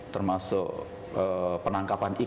termasuk penangkapan isu